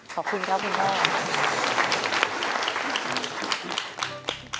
ขอบคุณครับคุณพ่อ